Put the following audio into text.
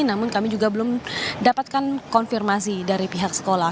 namun kami juga belum dapatkan konfirmasi dari pihak sekolah